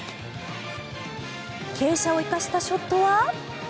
傾斜を生かしたショットは。